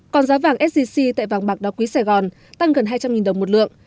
còn giá vàng sgc tại vàng bạc đa quý sài gòn tăng gần hai trăm linh đồng một lượng